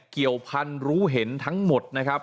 เกี่ยวพันธุ์รู้เห็นทั้งหมดนะครับ